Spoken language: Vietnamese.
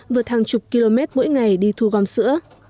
vượt hàng chục km mỗi ngày đi thu gom sữa